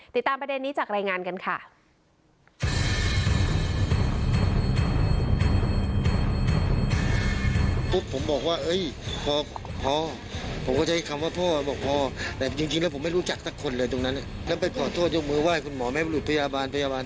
ติดตามประเด็นนี้จากรายงานกันค่ะ